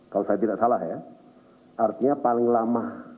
kalau saya tidak salah ya artinya paling lama